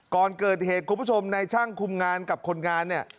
ก่อนเกิดเหตุคุณผู้ชมในช่างคุมงานกับคนงานเนี่ย